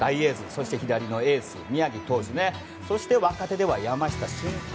そして左のエース、宮城投手そして若手では山下舜平